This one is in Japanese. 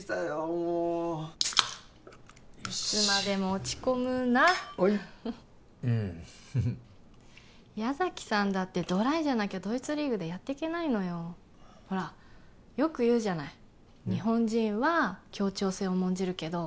もういつまでも落ち込むなあいっ矢崎さんだってドライじゃなきゃドイツリーグでやってけないのよほらよく言うじゃない日本人は協調性を重んじるけど